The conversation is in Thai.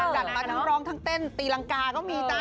จัดมาทั้งร้องทั้งเต้นตีรังกาก็มีจ้า